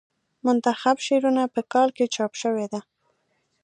منتخب شعرونه په کال کې چاپ شوې ده.